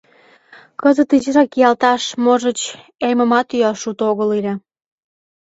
Кызыт изишак киялташ, можыч, эмымат йӱаш уто огыл ыле.